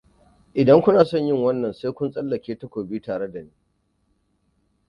Idan kuna son yin wannan, sai kun tsallake takobi tare dani.